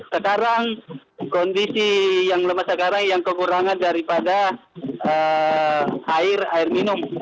sekarang kondisi yang lemah sekarang yang kekurangan daripada air air minum